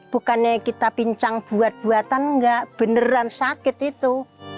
bukannya kita pincang buat buatan nggak beneran sakit itu